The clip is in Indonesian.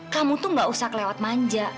kamu tuh gak usah kelewat manja